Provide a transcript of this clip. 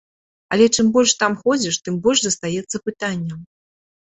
Але чым больш там ходзіш, тым больш застаецца пытанняў.